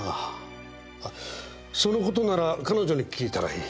あっそのことなら彼女に訊いたらいい。